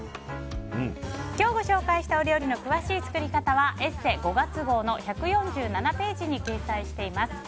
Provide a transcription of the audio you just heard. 今日ご紹介した料理の詳しい作り方は「ＥＳＳＥ」５月号の１４７ページに掲載しています。